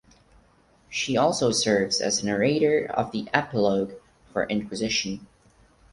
She also serves as the narrator of the epilogue for "Inquisition".